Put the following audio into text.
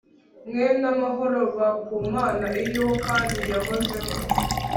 mwe n amahoro ba ku Mana iriho kandi yahozeho